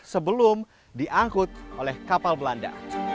sebelum diangkut oleh kapal belanda